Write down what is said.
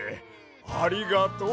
ありがとう！